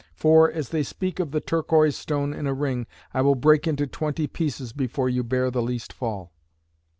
For, as they speak of the Turquoise stone in a ring, I will break into twenty pieces before you bear the least fall."